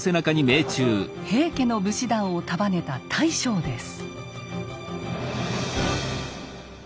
平家の武士団を束ねた大将です。